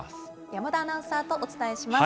山田アナウンサーとお伝えします。